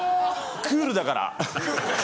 クールだから。